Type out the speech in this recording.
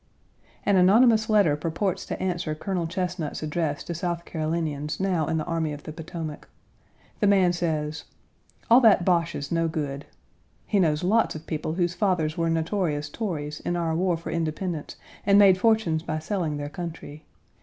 An anonymous letter purports to answer Colonel Chesnut's address to South Carolinians now in the army of the Potomac. The man says, "All that bosh is no good." He knows lots of people whose fathers were notorious Tories in our war for independence and made fortunes by selling their country.